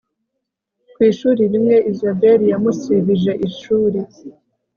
ku ishuri rimwe isabel yamusibije ishuri